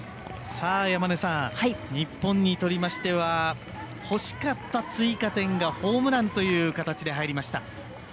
日本にとって欲しかった追加点がホームランという形で入りました。